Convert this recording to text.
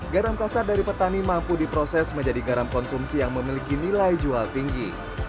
garam kasar dari petani mampu diproses menjadi garam konsumsi yang memiliki nilai jual tinggi